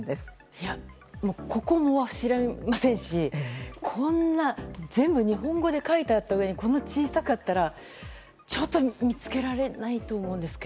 いや、ここも知りませんし全部日本語で書いてあったうえにこんなに小さかったら見つけられないと思うんですが。